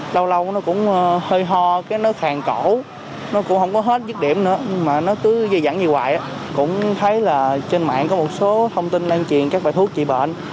trong mạng có một số thông tin lan truyền các loại thuốc trị bệnh